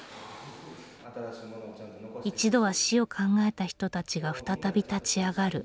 一度は死を考えた人たちが再び立ち上がる。